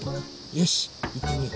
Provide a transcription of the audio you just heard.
よしいってみよう。